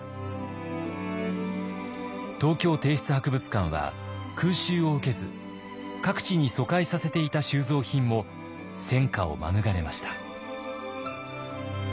東京帝室博物館は空襲を受けず各地に疎開させていた収蔵品も戦火を免れました。